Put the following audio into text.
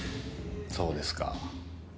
そうですか。